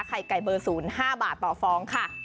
ไข่ไก่เบอร์๐๕บาทต่อฟองค่ะ